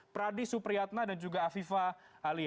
pradi supriyatna dan juga afifah ali